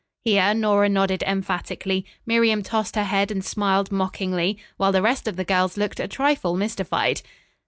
Here Nora nodded emphatically, Miriam tossed her head and smiled mockingly, while the rest of the girls looked a trifle mystified.